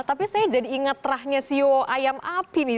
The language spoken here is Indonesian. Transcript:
tapi saya jadi ingat terahnya sio ayam api nih